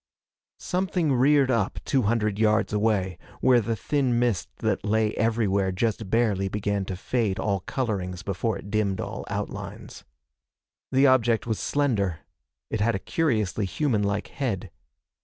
Something reared up two hundred yards away, where the thin mist that lay everywhere just barely began to fade all colorings before it dimmed all outlines. The object was slender. It had a curiously humanlike head.